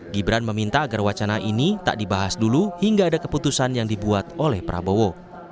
gibran meminta agar wacana ini tak dibahas dulu hingga ada keputusan yang dibuat oleh prabowo